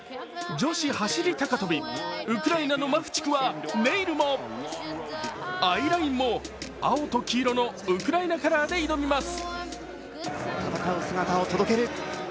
女子走高跳、ウクライナのマフチクはネイルもアイラインも青と黄色のウクライナカラーで挑みます。